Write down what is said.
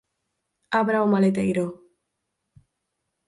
Abra o maleteiro.